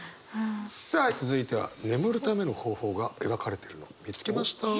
さあ続いては眠るための方法が描かれてるのを見つけました。